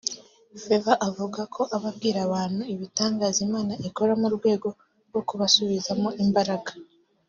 Favour avuga ko aba abwira abantu ibitangaza Imana ikora mu rwego rwo kubasubizamo imbaraga